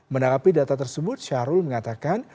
menanggapi data tersebut syahrul mengatakan